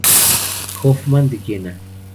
Hoffmann de Jena.